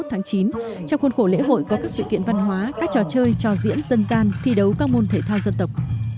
trong khuôn khổ lễ hội có các sự kiện văn hóa các trò chơi trò diễn dân gian thi đấu các môn thể thao dân tộc